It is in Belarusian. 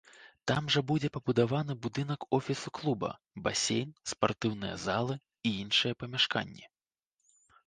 Там жа будзе пабудаваны будынак офісу клуба, басейн, спартыўныя залы і іншыя памяшканні.